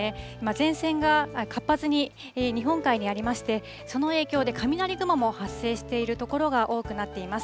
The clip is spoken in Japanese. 前線が活発に日本海にありまして、その影響で雷雲も発生している所が多くなっています。